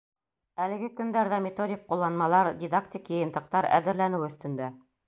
Әлеге көндәрҙә методик ҡулланмалар, дидактик йыйынтыҡтар әҙерләнеү өҫтөндә.